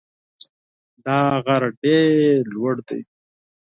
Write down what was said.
دا غر ډېر لوړ دی.